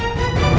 aku akan menang